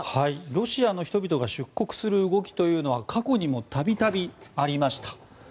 ロシアの人々が出国する動きというのは過去にも度々ありました。